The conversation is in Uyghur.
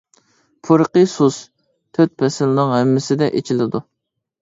پۇرىقى سۇس، تۆت پەسىلنىڭ ھەممىسىدە ئېچىلىدۇ.